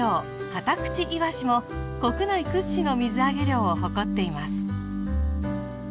カタクチイワシも国内屈指の水揚げ量を誇っています。